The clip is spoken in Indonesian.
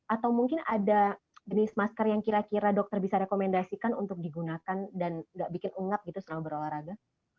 atau mungkin ada jenis masker yang kira kira dokter bisa rekomendasikan untuk digunakan dan gak bikin ungap gitu selama berolahraga